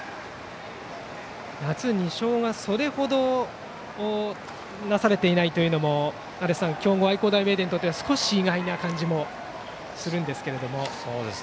夏２勝がそれ程なされていないというのも足達さん、強豪の愛工大名電にとっては少し意外な感じもするんですけども。